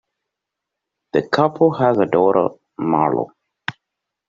The couple has a daughter, Marlo.